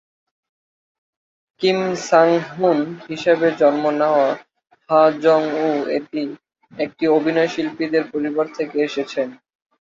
Kim Sang hun হিসাবে জন্ম নেওয়া, হা জং-উ একটি অভিনয়শিল্পীদের পরিবার থেকে এসেছেন।